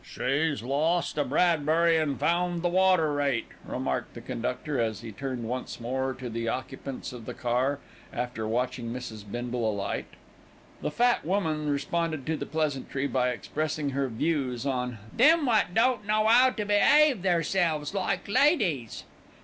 "She's lost a Bradbury and found the water rate," remarked the conductor, as he turned once more to the occupants of the car after watching Mrs. Bindle alight. The fat woman responded to the pleasantry by expressing her views on "them wot don't know 'ow to be'ave theirselves like ladies."